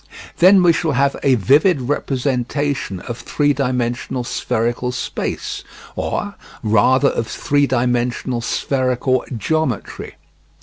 Then we shall have a vivid representation of three dimensional spherical space, or, rather of three dimensional spherical geometry.